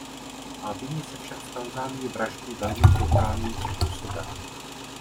Albíni se však v Tanzanii vraždí velmi brutálním způsobem.